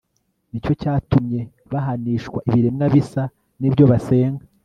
ni cyo cyatumye bahanishwa ibiremwa bisa n'ibyo basenga